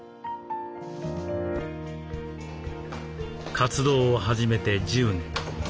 活動を始めて１０年。